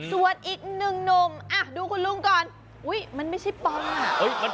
ส่วนอีกหนึ่งหนุ่มดูคุณลุงก่อนอุ๊ยมันไม่ใช่ปอมอ่ะ